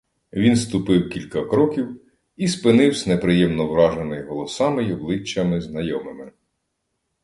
Він ступив кілька кроків і спинивсь, неприємно вражений голосами й обличчями знайомими.